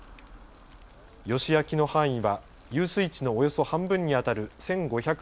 ヨシ焼きの範囲は遊水地のおよそ半分にあたる１５００